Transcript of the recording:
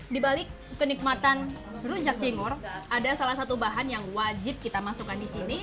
di balik kenikmatan rujak cingur ada salah satu bahan yang wajib kita masukkan di sini